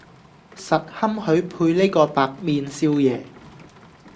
實堪許配呢個白面少爺